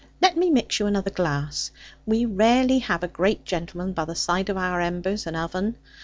Let me mix you another glass. We rarely have a great gentleman by the side of our embers and oven.